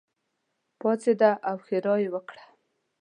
پاڅېده او ښېرا یې وکړه.